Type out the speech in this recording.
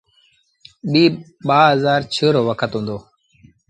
ايٚ ٻآ هزآر ڇه رو وکت هُݩدو۔